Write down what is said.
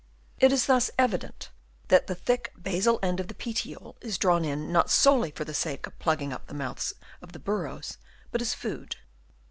It is thus evident that the thick basal end of the petiole is drawn in not solely for the sake of plugging up the mouths of the burrows, but as food.